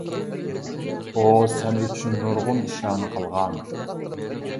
ئۇ سەن ئۈچۈن نۇرغۇن ئىشلارنى قىلغان.